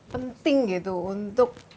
penting gitu untuk